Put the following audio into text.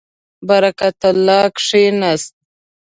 برکت الله کښېنست.